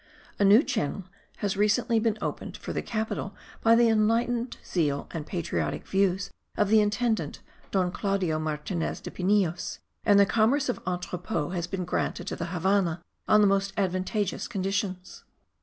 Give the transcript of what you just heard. A new channel has recently been opened for capital by the enlightened zeal and patriotic views of the intendant Don Claudio Martinez de Pinillos, and the commerce of entrepot has been granted to the Havannah on the most advantageous conditions.